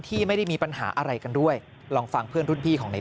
ที่ไม่ได้มีปัญหาอะไรกันด้วยลองฟังเพื่อนรุ่นพี่ของใน